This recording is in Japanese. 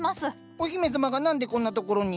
お姫様が何でこんな所に。